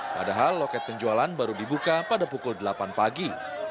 padahal loket penjualan baru dibuka pada pukul delapan pagi